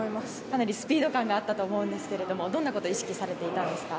かなりスピード感があったと思いますがどんなことを意識されましたか。